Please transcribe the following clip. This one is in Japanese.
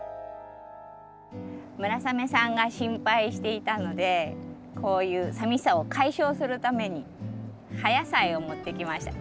村雨さんが心配していたのでこういうさみしさを解消するために葉野菜を持ってきました。